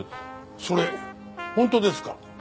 それ本当ですか？